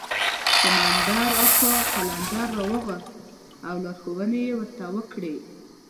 سمندر اکا قلندر راوغوښت او لارښوونې یې ورته وکړې.